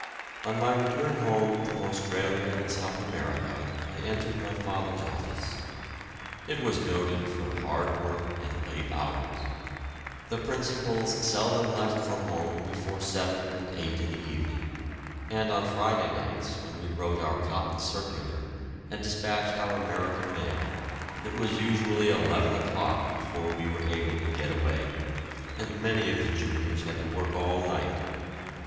On my return home from Australia and South America I entered my father's office. It was noted for hard work and late hours. The principals seldom left for home before seven and eight in the evening, and on Friday nights, when we wrote our cotton circular, and despatched our American mail, it was usually eleven o'clock before we were able to get away, and many of the juniors had to work all night.